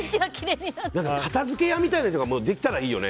片付け屋みたいな人ができたらいいよね。